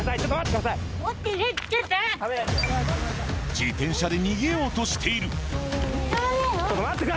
自転車で逃げようとしている。